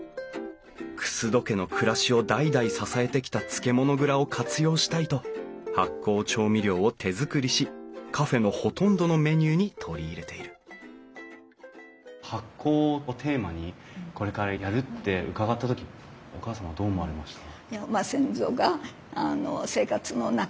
楠戸家の暮らしを代々支えてきた漬物蔵を活用したいと発酵調味料を手作りしカフェのほとんどのメニューに取り入れている発酵をテーマにこれからやるって伺った時お義母さんはどう思われました？